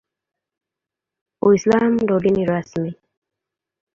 Uislamu ndio dini rasmi.